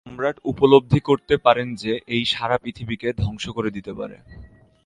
সম্রাট উপলব্ধি করতে পারেন যে এই সারা পৃথিবীকে ধ্বংস করে দিতে পারে।